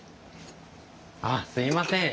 ああすいません。